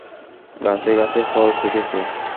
গাছে গাছে ফল পেকেছে।